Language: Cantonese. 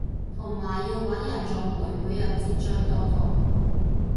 同埋要搵人做媒每日截進度圖